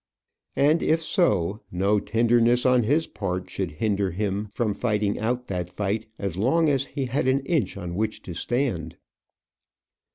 And if so, no tenderness on his part should hinder him from fighting out that fight as long as he had an inch on which to stand.